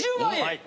はい。